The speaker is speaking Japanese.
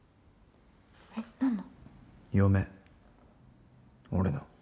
えっ何の？